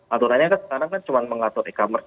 aturannya kan sekarang kan cuma mengatur e commerce